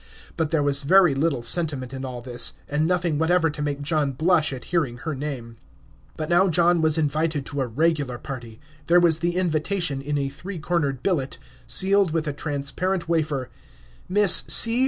But there was very little sentiment in all this, and nothing whatever to make John blush at hearing her name. But now John was invited to a regular party. There was the invitation, in a three cornered billet, sealed with a transparent wafer: "Miss C.